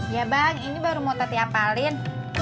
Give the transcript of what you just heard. ya bang ini baru mau tati apalin